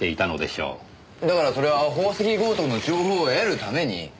だからそれは宝石強盗の情報を得るために。